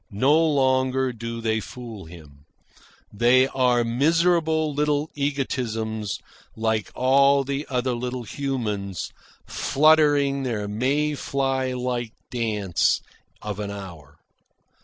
No longer do they fool him. They are miserable little egotisms, like all the other little humans, fluttering their May fly life dance of an hour.